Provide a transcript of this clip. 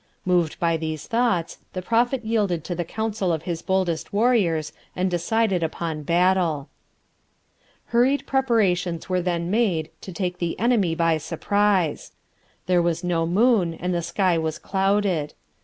Moved by these thoughts, the Prophet yielded to the counsel of his boldest warriors and decided upon battle. Hurried preparations were then made to take the enemy by surprise. There was no moon and the sky was clouded.